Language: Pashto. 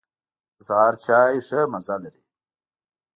د سهار چای ښه مزه لري.